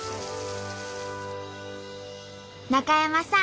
中山さん